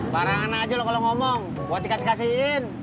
barang anak aja lo kalau ngomong buat dikasih kasihin